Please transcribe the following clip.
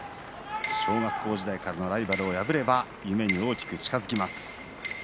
小学校時代からのライバルを破れば夢に大きく近づきます。